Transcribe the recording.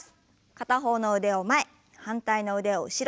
片方の腕を前反対の腕を後ろに。